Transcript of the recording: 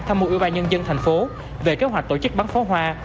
tham mưu ủy ban nhân dân tp hcm về kế hoạch tổ chức bắn pháo hoa